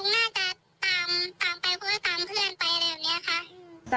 หนูยังฟันหุ่มไม่ได้ค่ะว่ารุ้งคิดอะไร